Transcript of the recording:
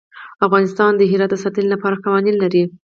افغانستان د هرات د ساتنې لپاره قوانین لري.